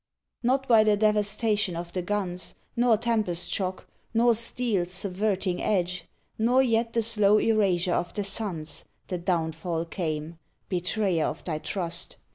Not by the devastation of the guns, Nor tempest shock, nor steel s subverting edge. Nor yet the slow erasure of the suns The downfall came, betrayer of thy trust!